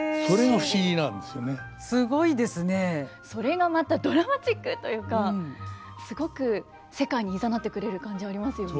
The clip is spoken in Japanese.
それがまたドラマチックというかすごく世界にいざなってくれる感じありますよね。